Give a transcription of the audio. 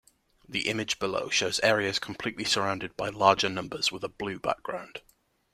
The image below shows areas completely surrounded by larger numbers with a blue background.